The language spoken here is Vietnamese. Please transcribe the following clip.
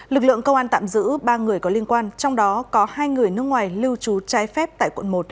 lực lượng công an tạm giữ ba người có liên quan trong đó có hai người nước ngoài lưu trú trái phép tại quận một